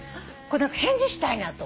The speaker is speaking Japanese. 返事したいなと。